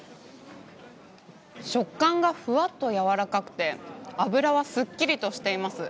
食感がふわっと柔らかくて、脂はすっきりとしています。